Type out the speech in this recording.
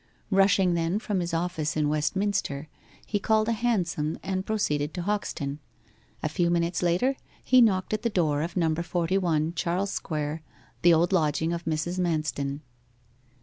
Rushing then from his office in Westminster, he called a hansom and proceeded to Hoxton. A few minutes later he knocked at the door of number forty one, Charles Square, the old lodging of Mrs. Manston.